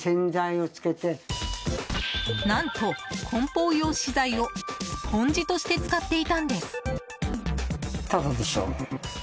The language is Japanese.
何と、梱包用資材をスポンジとして使っていたんです。